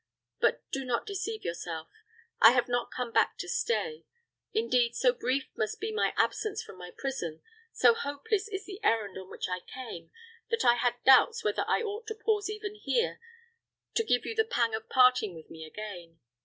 But do not deceive yourself; I have not come back to stay. Indeed, so brief must be my absence from my prison, so hopeless is the errand on which I came, that I had doubts whether I ought to pause even here to give you the pang of parting with me again.